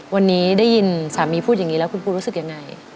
วันนี้ได้ยินสามีพูดอย่างนี้แล้วคุณปูรู้สึกยังไง